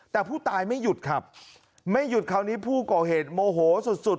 แต่ผู้ตายไม่หยุดครับไม่หยุดคราวนี้ผู้ก่อเหตุโมโหสุดสุด